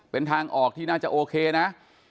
เป็นทางออกที่น่าจะโอเคนะ